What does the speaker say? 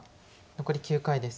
残り９回です。